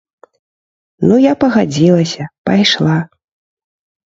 Ну я пагадзілася, пайшла.